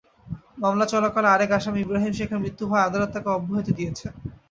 মামলা চলাকালে আরেক আসামি ইব্রাহিম শেখের মৃত্যু হওয়ায় আদালত তাঁকে অব্যাহতি দিয়েছেন।